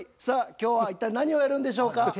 さあ今日は一体何をやるんでしょうか。